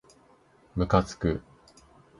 むかつく